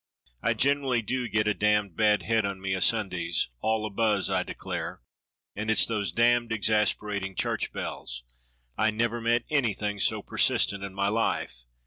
I generally do get a damned bad head on me o' Sundays. All a buzz, I declare, and it's those damned exasperating church bells. I never met anything so persistent in my life.